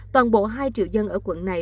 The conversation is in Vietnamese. toàn bộ hai triệu dân ở quận này